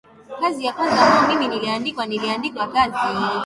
kazi ya kwanza ambayo mimi niliandikwa niliandikwa kazi